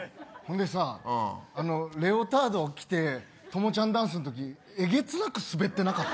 俺さ、レオタード着て朋ちゃんダンスのときえげつなく、すべってなかった。